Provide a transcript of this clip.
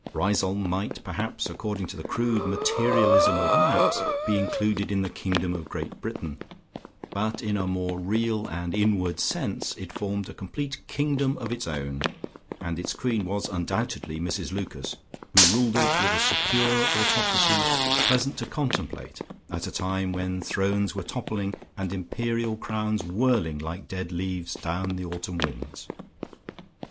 Riseholme might perhaps according to the crude materialism of maps, be included in the kingdom of Great Britain, but in a more real and inward sense it formed a complete kingdom of its own, and its queen was undoubtedly Mrs Lucas, who ruled it with a secure autocracy pleasant to contemplate at a time when thrones were toppling, and imperial crowns whirling like dead leaves down the autumn winds.